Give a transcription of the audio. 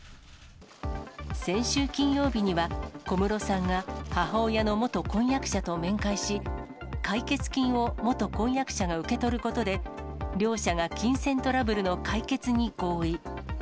先週金曜日には、小室さんが母親の元婚約者と面会し、解決金を元婚約者が受け取ることで、両者が金銭トラブルの解決に合意。